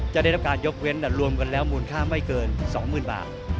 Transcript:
จะได้รับการยกเว้นรวมกันแล้วมูลค่าไม่เกินสองหมื่นบาท